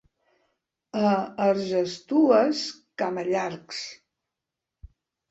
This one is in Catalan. A Argestues, camallargs.